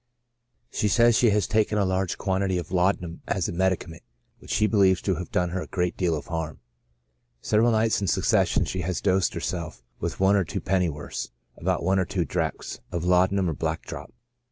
She says she has taken a large quantity of laudanum as a medicament, which she believes to have done her a great deal of harm ; several nights in succession she has dosed herself with one or two pennyworths (about one or two drachms) of laudanum or black drop.